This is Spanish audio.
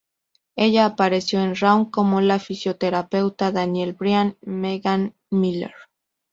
Ella apareció en Raw como la fisioterapeuta Daniel Bryan, Megan Miller.